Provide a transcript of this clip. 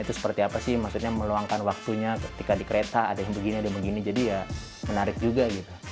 itu seperti apa sih maksudnya meluangkan waktunya ketika di kereta ada yang begini ada yang begini jadi ya menarik juga gitu